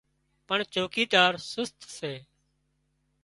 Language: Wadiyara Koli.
پڻ چوڪيدار سست سي